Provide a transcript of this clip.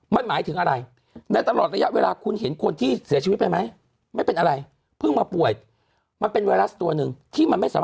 มันหมายถึงอะไรในตลอดระยะเวลาคุณเห็นคนที่เสียชีวิตไปไหม